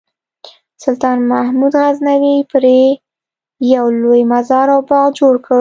سلطان محمود غزنوي پرې یو لوی مزار او باغ جوړ کړ.